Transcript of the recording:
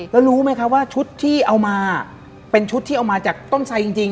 แล้วรู้ไหมคะว่าชุดที่เอามาเป็นชุดที่เอามาจากต้นไสจริง